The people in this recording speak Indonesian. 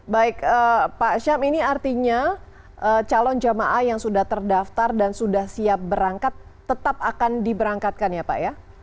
baik pak syam ini artinya calon jamaah yang sudah terdaftar dan sudah siap berangkat tetap akan diberangkatkan ya pak ya